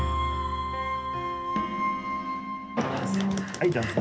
はいどうぞ。